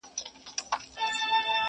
اشنا د بل وطن سړی دی؛